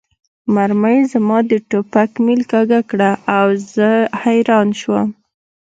مرمۍ زما د ټوپک میل کږه کړه او زه حیران شوم